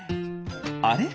あれ？